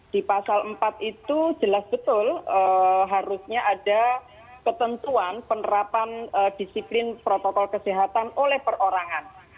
di pasal empat itu jelas betul harusnya ada ketentuan penerapan disiplin protokol kesehatan oleh perorangan